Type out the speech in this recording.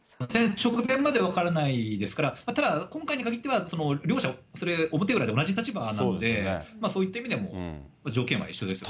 直前まで分からないですから、ただ、今回に限っては、両者、それは表裏で同じ立場なんで、そういった意味では条件は一緒ですよね。